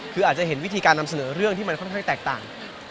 คืออาจจะเห็นวิธีการนำเสนอเรื่องที่มันค่อนข้างแตกต่าง